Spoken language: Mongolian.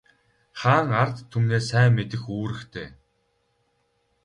Хаан ард түмнээ сайн мэдэх үүрэгтэй.